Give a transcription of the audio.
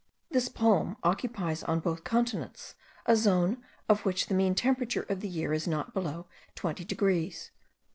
This palm occupies on both continents a zone, of which the mean temperature of the year is not below 20 degrees.